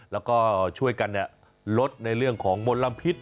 แล้วก็ช่วยกันลดในเรื่องของมลพิษ